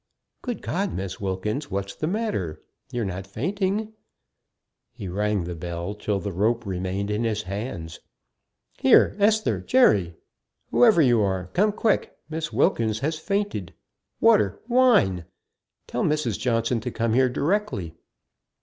Good God, Miss Wilkins! What's the matter? You're not fainting!" He rang the bell till the rope remained in his hands. "Here, Esther! Jerry! Whoever you are, come quick! Miss Wilkins has fainted! Water! Wine! Tell Mrs. Johnson to come here directly!"